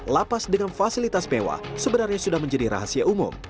lapas dengan fasilitas mewah sebenarnya sudah menjadi rahasia umum